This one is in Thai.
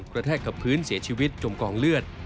แทกกับพื้นเสียชีวิตจมกองเลือด